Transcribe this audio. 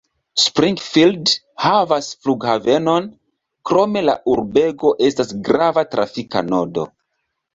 Springfield havas flughavenon, krome la urbego estas grava trafika nodo.